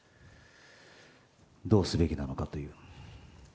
どうすべきなのかという。